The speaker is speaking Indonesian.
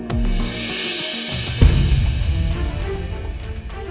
kalau mau kinen masuk jiwa dengan vikas cuk